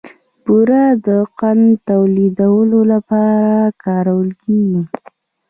بوره د قند تولیدولو لپاره کارول کېږي.